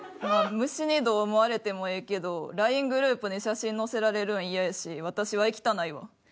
虫にどう思われてもええけどＬＩＮＥグループに写真載せられるん嫌やし私は行きたないわ。